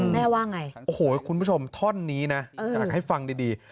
แม่ว่าไงโอ้โหคุณผู้ชมท่อนนี้นะอยากให้ฟังดี